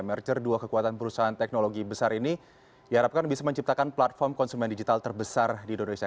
merger dua kekuatan perusahaan teknologi besar ini diharapkan bisa menciptakan platform konsumen digital terbesar di indonesia